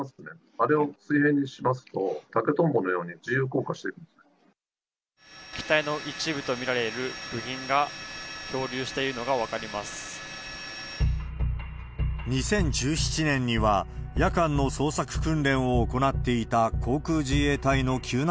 あれを水平にしますと、竹トンボのように自由降下していくんです機体の一部と見られる部品が２０１７年には、夜間の捜索訓練を行っていた航空自衛隊の救難